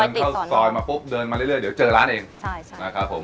เดินเข้าซอยมาปุ๊บเดินมาเรื่อยเดี๋ยวเจอร้านเอง